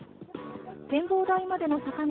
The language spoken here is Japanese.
展望台までの坂道